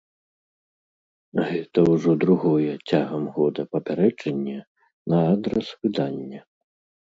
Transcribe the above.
Гэта ўжо другое цягам года папярэджанне на адрас выдання.